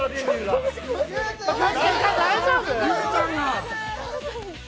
大丈夫？